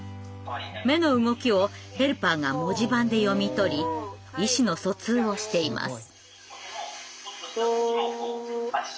目の動きをヘルパーが文字盤で読み取り意思の疎通をしています。